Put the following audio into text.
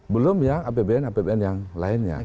belumnya apbn apbn yang lainnya